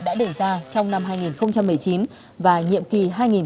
đã đẩy ra trong năm hai nghìn một mươi chín và nhiệm kỳ hai nghìn một mươi sáu hai nghìn hai mươi một